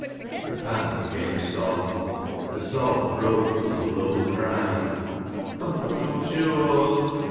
The pant became a sob — the sob broke into a low cry. '•' Oh, Joan